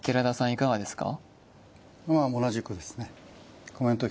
いかがですか？